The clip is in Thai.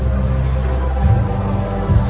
สโลแมคริปราบาล